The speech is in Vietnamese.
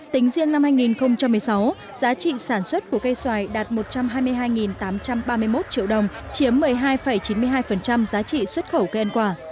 tính riêng năm hai nghìn một mươi sáu giá trị sản xuất của cây xoài đạt một trăm hai mươi hai tám trăm ba mươi một triệu đồng chiếm một mươi hai chín mươi hai giá trị xuất khẩu cây ăn quả